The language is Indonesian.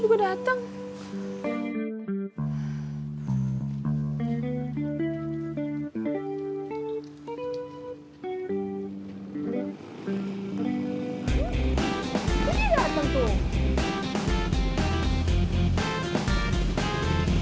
iya dateng tuh